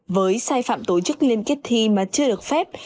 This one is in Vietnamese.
với sai phạm tổ chức liên kết thi mà chưa được phép